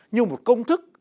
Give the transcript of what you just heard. như một công thức